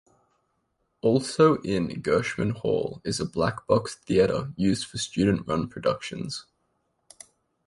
Also in Gershman Hall is a black box theater used for student-run productions.